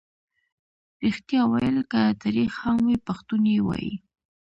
ریښتیا ویل که تریخ هم وي پښتون یې وايي.